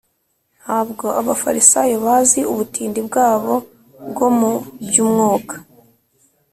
ntabwo abafarisayo bazi ubutindi bwabo bwo mu by’umwuka